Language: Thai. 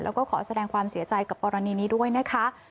แล้วก็ขอแสดงความเสียใจกับกรณีนี้ด้วยนะคะ